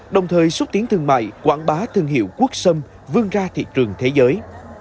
đồng thời xúc tiến thương mại quảng bá thương hiệu quốc sâm vươn ra thị trường thế giới